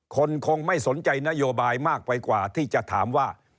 คงไม่สนใจนโยบายมากไปกว่าที่จะถามว่า